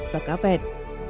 và cá vẹn